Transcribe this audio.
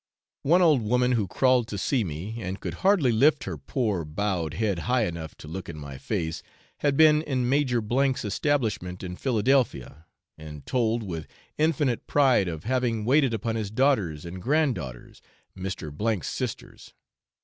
One old woman who crawled to see me, and could hardly lift her poor bowed head high enough to look in my face, had been in Major 's establishment in Philadelphia, and told with infinite pride of having waited upon his daughters and grand daughters, Mr. 's sisters.